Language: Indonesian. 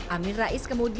amin rais kemudian